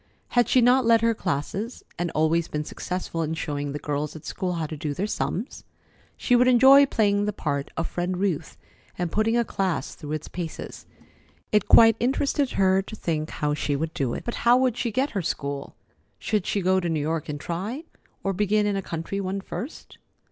Had she not led her classes, and always been successful in showing the girls at school how to do their sums? She would enjoy playing the part of Friend Ruth, and putting a class through its paces. It quite interested her to think how she would do it. But how would she get her school? Should she go to New York and try, or begin in a country one first?